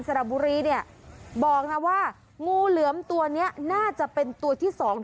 สระบุรีเนี่ยบอกนะว่างูเหลือมตัวเนี้ยน่าจะเป็นตัวที่สอง